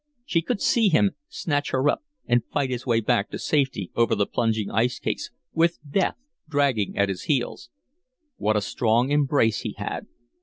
She could see him snatch her up and fight his way back to safety over the plunging ice cakes with death dragging at his heels. What a strong embrace he had!